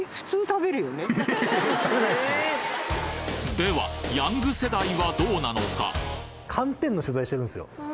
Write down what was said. ではヤング世代はどうなのか？